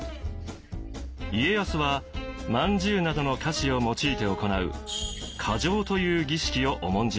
家康はまんじゅうなどの菓子を用いて行う嘉祥という儀式を重んじました。